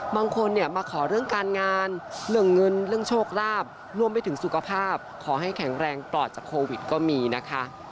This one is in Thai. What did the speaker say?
บางคนเนี่ยมาขอเรื่องการงานเรื่องเงินเรื่องโชคลาภรวมไปถึงสุขภาพขอให้แข็งแรงปลอดจากโควิดก็มีนะคะ